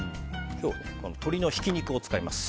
今日は鶏のひき肉を使います。